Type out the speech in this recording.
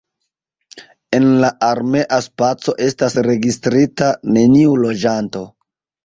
En la armea spaco estas registrita neniu loĝanto.